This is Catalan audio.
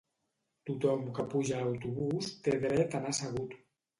Tothom que puja a l'autobus té dret a anar assegut